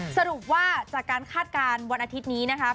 สรุปว่าจากการคาดการณ์วันอาทิตย์นี้นะคะ